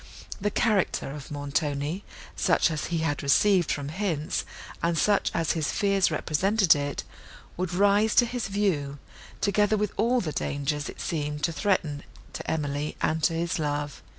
The character of Montoni, such as he had received from hints, and such as his fears represented it, would rise to his view, together with all the dangers it seemed to threaten to Emily and to his love.